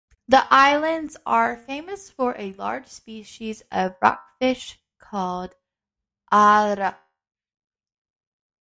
The islands are famous for a large species of rockfish, called "Arr-a".